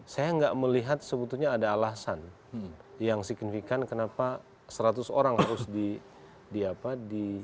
saya nggak melihat sebetulnya ada alasan yang signifikan kenapa seratus orang harus di apa di